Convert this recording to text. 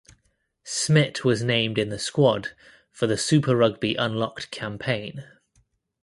Smit was named in the squad for the Super Rugby Unlocked campaign.